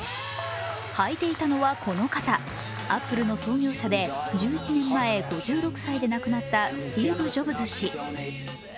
履いていたのは、この方アップルの創業者で１１年前、５６歳で亡くなったスティーブ・ジョブズ氏。